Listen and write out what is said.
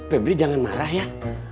pebri jangan marah ya